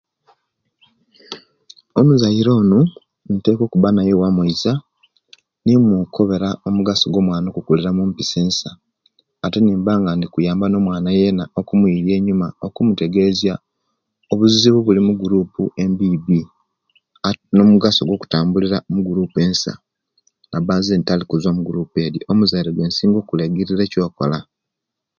Omuzaire Ono teka okuba naye bwamoiza nimukobera omugaso gwomwana okukulira mupisa ensa ate nimba nga ndikuyamba omwana yena okumuiriya enyuma okumutwgeziya obuzibu obuli mugurupu embibi nebizibu ebiri mu mugurupu embibi nomugaso gwokutambulira mu gurupu ensa naba zenti Tali kuzuwa mugurupu edi omuzaire gwensinga okulagirira ecokola